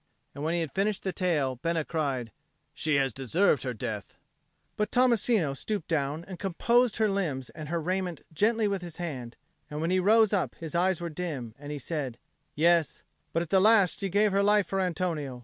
And when he had finished the tale, Bena cried, "She has deserved her death." But Tommasino stooped down and composed her limbs and her raiment gently with his hand, and when he rose up his eyes were dim, and he said, "Yes;" but at the last she gave her life for Antonio.